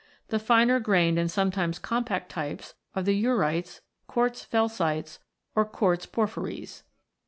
The finer grained and sometimes compact types are the eurites, quartz felsites, or quartz porphyries.